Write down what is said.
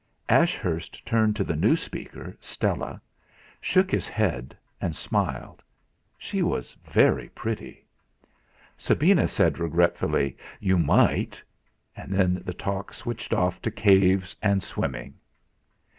Ashurst turned to the new speaker, Stella, shook his head, and smiled. She was very pretty! Sabina said regretfully: "You might!" Then the talk switched off to caves and swimming.